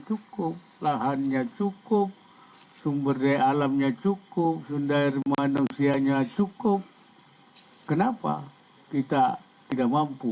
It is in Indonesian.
cukup lahannya cukup sumber daya alamnya cukup sumber manusianya cukup kenapa kita tidak mampu